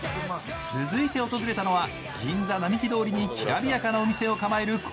続いて訪れたのは銀座・並木通りにきらびやかなお店を構える